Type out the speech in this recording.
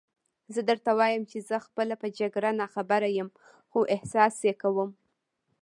زه درته وایم چې زه خپله په جګړه ناخبره یم، خو احساس یې کوم.